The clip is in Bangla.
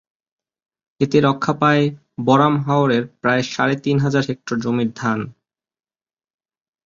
এতে রক্ষা পায় বরাম হাওরের প্রায় সাড়ে তিন হাজার হেক্টর জমির ধান।